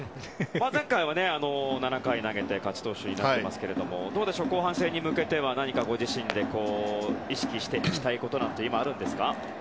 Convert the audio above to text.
前回は７回投げて勝ち投手になっていますが後半戦に向けて、何かご自身で意識していきたいことなんかはあるんですか？